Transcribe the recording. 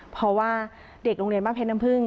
เพราะว่าเด็กโรงเรียนบ้านเพชรน้ำพึ่ง